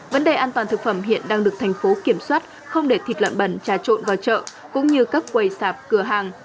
vấn đề an toàn thực phẩm hiện đang được thành phố kiểm soát không để thịt lợn bẩn trà trộn vào chợ cũng như các quầy sạp cửa hàng